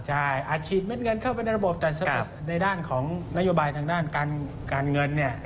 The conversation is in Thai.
ใช่อาจฉีดเม็ดเงินเข้าไปในระบบแต่ในด้านของนโยบายทางด้านการเงินเนี่ย